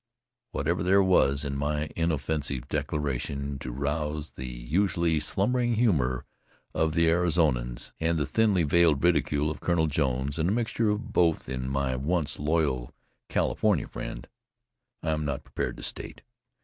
Whatever there was in my inoffensive declaration to rouse the usually slumbering humor of the Arizonians, and the thinly veiled ridicule of Colonel Jones, and a mixture of both in my once loyal California friend, I am not prepared to state.